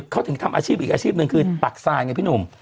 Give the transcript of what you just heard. เขาถึงทำอาชีพอีกอาชีพหนึ่งคือตักทรายไงพี่หนุ่ม